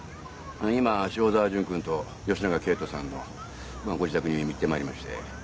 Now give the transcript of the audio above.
今塩澤潤君と吉長圭人さんのご自宅に行ってまいりまして。